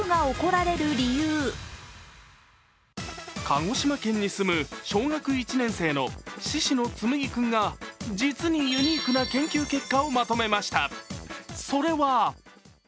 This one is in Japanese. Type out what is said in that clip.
鹿児島県に住む小学１年生の宍野紡季君が実にユニークな研究結果をまとめました。